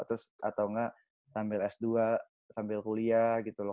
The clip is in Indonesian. atau enggak sambil s dua sambil kuliah gitu loh